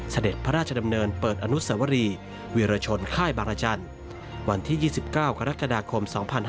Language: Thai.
เสด็จพระราชดำเนินเปิดอนุสวรีวิรชนค่ายบารจันทร์วันที่๒๙กรกฎาคม๒๕๕๙